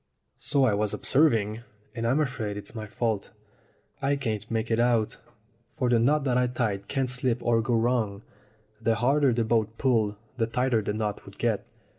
"So I was observing, and I'm afraid it's my fault. I can't make it out, for the knot that I tied can't slip or go wrong. The harder the boat pulled the tighter the knot would get.